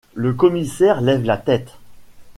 Le commissaire lève la tête.